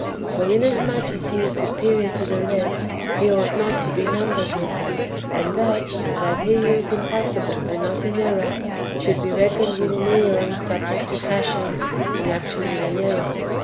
For inasmuch as He is superior to the rest, He ought not to be numbered with them, and that so that He who is impassible and not in error should be reckoned w^ith an ^on subject to passion, and actually in error.